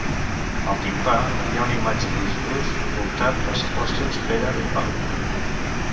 Al timpà hi ha una imatge de Jesús voltat pels apòstols Pere i Pau.